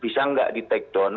bisa nggak di take down